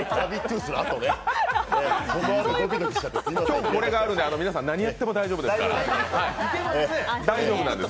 今日これがあるんで、皆さん、何やっても大丈夫ですから。